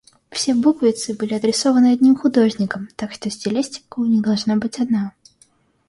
Все буквицы были отрисованы одним художником, так что стилистика у них должна быть одна.